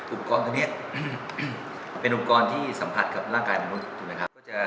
อุปกรณ์ที่นี่เป็นอุปกรณ์ที่สัมผัสกับร่างกายมนุษย์